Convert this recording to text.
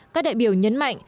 các đại biểu nhấn mạnh